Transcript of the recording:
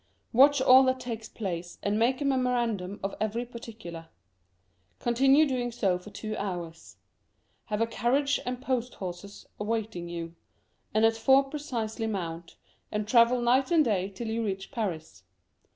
Watch all that takes place, and make a memorandum of every particular. Continue doing so for two hours ; have a carriage and post horses awaiting you ; and at four precisely mount, and travel night and day till you reach Paris.